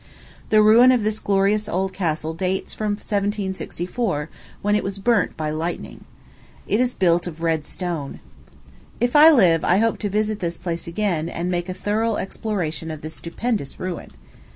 The ruin of this glorious old castle dates from 1764, when it was burnt by lightning. It is built of red stone. If I live, I hope to visit this place again, and make a thorough exploration of this stupendous ruin.